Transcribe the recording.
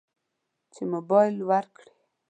چې موبایل ورکړي.